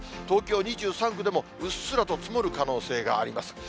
東京２３区でも、うっすらと積もる可能性があります。